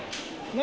何？